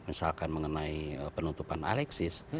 misalkan mengenai penutupan alexis